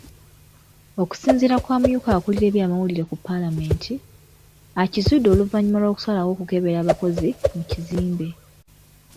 Okusinziira ku amyuka akulira ebyamawulire ku Paalamenti, akizudde oluvannyuma lw'okusalawo okukebera abakozi mu kizimbe.